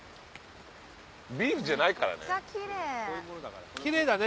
ビーフじゃないからね。